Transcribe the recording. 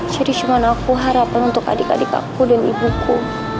jadi cuma aku harapan untuk adik adik aku dan ibuku